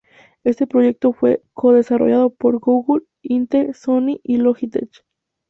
Este proyecto fue co-desarrollado por Google, Intel, Sony y Logitech.